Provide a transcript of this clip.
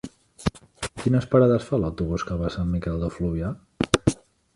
Quines parades fa l'autobús que va a Sant Miquel de Fluvià?